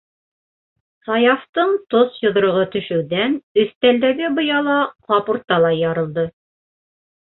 - Саяфтың тос йоҙроғо төшөүҙән өҫтәлдәге быяла ҡап урталай ярылды.